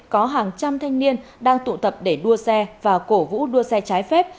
có hàng trăm thanh niên đang tụ tập để đua xe và cổ vũ đua xe trái phép